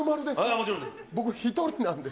もちろんです。